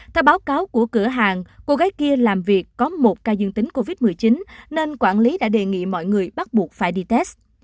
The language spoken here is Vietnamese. theo báo cáo của cửa hàng cô gái kia làm việc có một ca dương tính covid một mươi chín nên quản lý đã đề nghị mọi người bắt buộc phải đi test